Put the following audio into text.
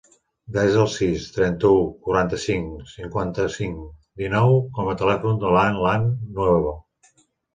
Desa el sis, trenta-u, quaranta-cinc, cinquanta-cinc, dinou com a telèfon de l'Alan Nuevo.